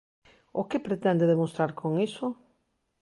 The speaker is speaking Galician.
O que pretende demostrar con iso?